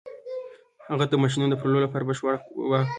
هغه ته د ماشينونو د پلورلو بشپړ واک ورکړل شو.